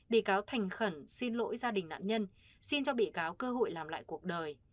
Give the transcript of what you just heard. bị cáo thành khẩn xin lỗi gia đình nạn nhân xin cho bị cáo cơ hội làm lại cuộc đời